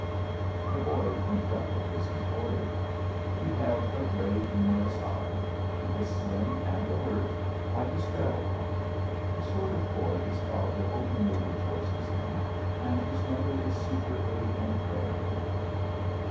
The boy winked up at his employer. He had a gray, humorous eye; he was slim and alert, like a sparrow hawk the sort of boy his father openly rejoices in and his mother is secretly in prayer over.